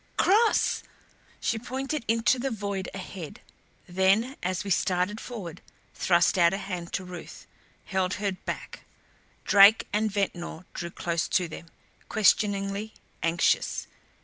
"Cross!" She pointed into the void ahead; then, as we started forward, thrust out a hand to Ruth, held her back. Drake and Ventnor drew close to them, questioningly, anxious.